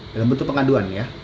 dalam bentuk pengaduan ya